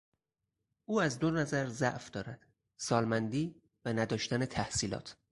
او از دو نظر ضعف دارد: سالمندی و نداشتن تحصیلات.